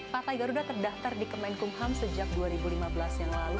partai garuda terdaftar di kementerian hukum dan ham sejak dua ribu lima belas yang lalu